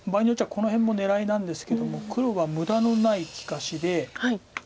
この辺も狙いなんですけども黒は無駄のない利かしで。